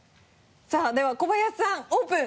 さぁでは小林さんオープン！